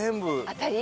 当たり！